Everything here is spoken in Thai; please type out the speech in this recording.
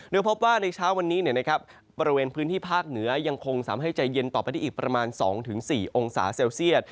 โดยพบว่าในเช้าวันนี้บริเวณพื้นที่ภาคเหนือยังคงสามารถให้ใจเย็นต่อไปได้อีกประมาณ๒๔องศาเซลเซียต